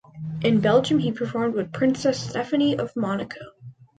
In Belgium, he performed with Princess Stephanie of Monaco.